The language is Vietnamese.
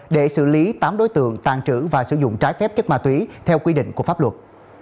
để xử lý tám đối tượng tàn trữ và sử dụng trái phép chất ma túy theo quy định của pháp luật